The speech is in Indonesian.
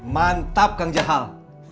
mantap kang jahal